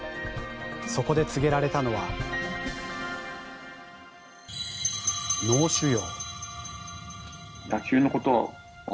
そこで告げられたのは脳腫瘍。